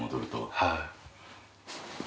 はい。